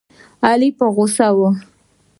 علي په غوسه و.